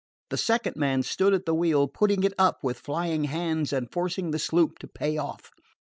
The second man stood at the wheel, putting it up with flying hands and forcing the sloop to pay off.